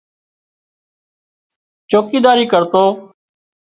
چوڪيداري ڪرتو